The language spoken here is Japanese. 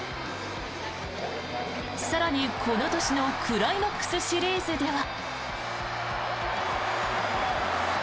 更に、この年のクライマックスシリーズでは。